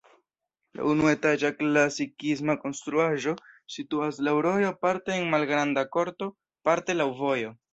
La unuetaĝa klasikisma konstruaĵo situas laŭ rojo parte en malgranda korto, parte laŭ vojo.